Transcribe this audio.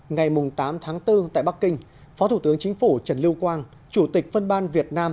ngày tám tháng bốn tại bắc kinh phó thủ tướng chính phủ trần lưu quang chủ tịch phân ban việt nam